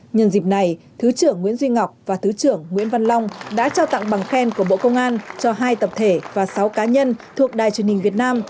nhân dịp này thứ trưởng nguyễn duy ngọc và thứ trưởng nguyễn văn long đã trao tặng bằng khen của bộ công an cho hai tập thể và sáu cá nhân thuộc đài truyền hình việt nam